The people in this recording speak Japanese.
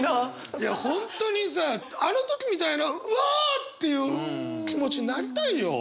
いや本当にさあの時みたいなうわあっていう気持ちなりたいよ！